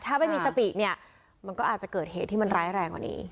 ถ้าไม่มีสติเนี่ยมันก็อาจจะเกิดเหตุที่มันร้ายแรงกว่านี้